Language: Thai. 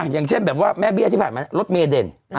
อย่างเช่นแบบว่าแม่เบี้ยที่ผ่านมารถเมย์เด่น